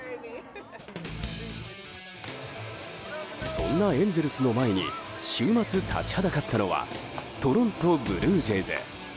そんなエンゼルスの前に週末、立ちはだかったのはトロント・ブルージェイズ。